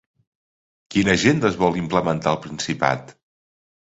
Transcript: Quina agenda es vol implementar al Principat?